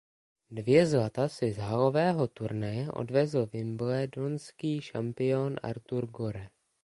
Dvě zlata si z halového turnaje odvezl wimbledonský šampion Arthur Gore.